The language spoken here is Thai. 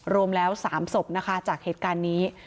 รวมแล้ว๓ศพนะคะจากเหตุการณ์นี้